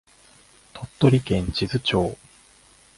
鳥取県智頭町